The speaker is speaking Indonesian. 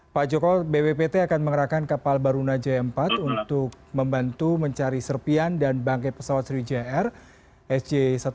pak joko bppt akan mengerahkan kapal baruna j empat untuk membantu mencari serpian dan bangkit pesawat sriwijaya air sj satu ratus delapan puluh dua